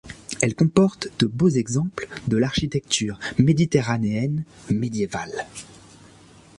Elle comporte de beaux exemples de l'architecture méditerranéenne médiévale.